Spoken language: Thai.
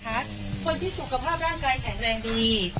คนที่สุขภาพร่างกายแข็งแรงดี